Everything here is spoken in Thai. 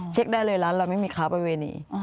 ได้เลยร้านเราไม่มีค้าประเวณี